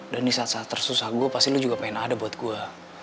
dan di saat saat tersusah gue pasti lo juga pengen ada buat gue